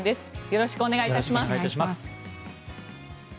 よろしくお願いします。